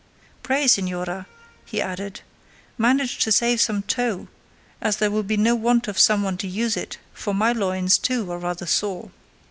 "Pray, señora," he added, "manage to save some tow, as there will be no want of some one to use it, for my loins too are rather sore."